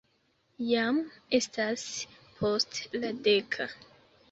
Jam estas post la deka.